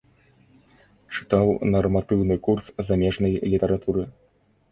Чытаў нарматыўны курс замежнай літаратуры.